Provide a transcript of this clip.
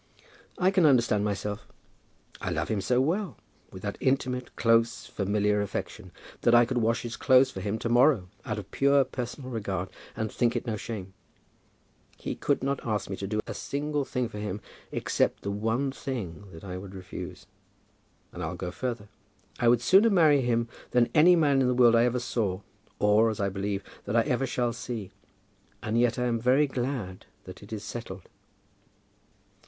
"I can understand myself. I love him so well, with that intimate, close, familiar affection, that I could wash his clothes for him to morrow, out of pure personal regard, and think it no shame. He could not ask me to do a single thing for him, except the one thing, that I would refuse. And I'll go further. I would sooner marry him than any man in the world I ever saw, or, as I believe, that I ever shall see. And yet I am very glad that it is settled."